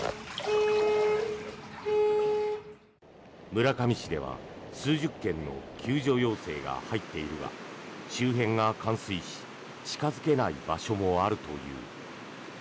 村上市では数十件の救助要請が入っているが周辺が冠水し近付けない場所もあるという。